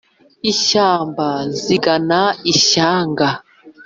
ishyamba zigana ishyanga